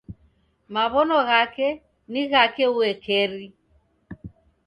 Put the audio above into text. Maw'ono ghake ni ghake uekeri